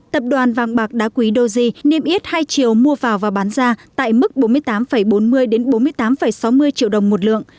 tập đoàn vàng bạc đá quý doji niêm yết hai triệu mua vào và bán ra tại mức bốn mươi tám bốn mươi bốn mươi tám sáu mươi triệu đồng một lượng